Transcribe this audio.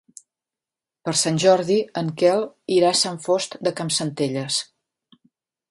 Per Sant Jordi en Quel irà a Sant Fost de Campsentelles.